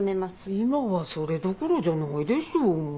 今はそれどころじゃないでしょ。